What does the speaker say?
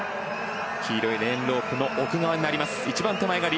黄色いレーンロープの奥側になります。